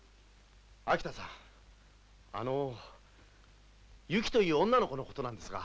秋田さんあのゆきという女の子のことなんですが。